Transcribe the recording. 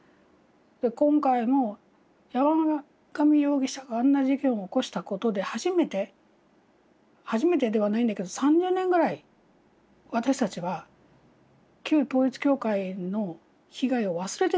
今回も山上容疑者があんな事件を起こしたことで初めて初めてではないんだけど３０年ぐらい私たちは旧統一教会の被害を忘れてた。